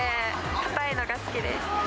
硬いのが好きです。